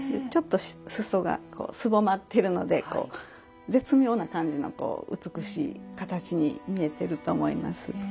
ちょっと裾がすぼまっているので絶妙な感じのこう美しい形に見えてると思います